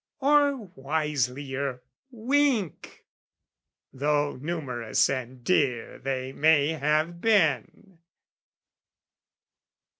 or wiselier wink, Though numerous and dear they may have been?